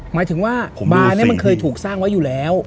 หมายถึงว่าบาร์นี้มันเคยถูกสร้างไว้อยู่แล้ว